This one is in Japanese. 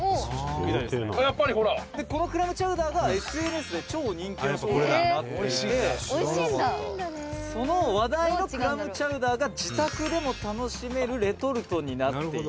宮田：「このクラムチャウダーがＳＮＳで超人気の商品となっていてその話題のクラムチャウダーが自宅でも楽しめるレトルトになっている」